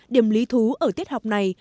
điểm lý thú ở tiết học này